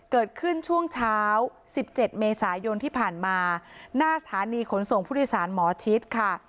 เกิดขึ้นช่วงเช้า๑๗เมษายนที่ผ่านมาหน้าสถานีขนส่งผู้โดยสารหมอชิดค่ะ